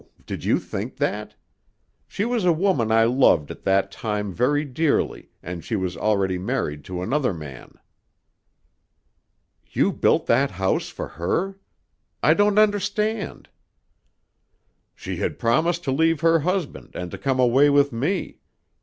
Did you think that? She was a woman I loved at that time very dearly and she was already married to another man." "You built that house for her? I don't understand." "She had promised to leave her husband and to come away with me.